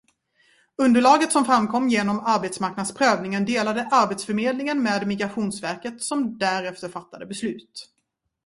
Underlaget som framkom genom arbetsmarknadsprövningen delade Arbetsförmedlingen med Migrationsverket som därefter fattade beslut.